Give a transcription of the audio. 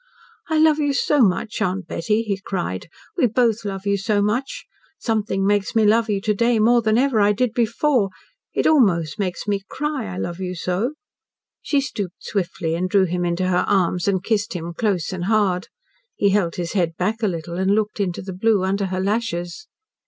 "I love you so much, Aunt Betty," he cried. "We both love you so much. Something makes me love you to day more than ever I did before. It almost makes me cry. I love you so." She stooped swiftly and drew him into her arms and kissed him close and hard. He held his head back a little and looked into the blue under her lashes.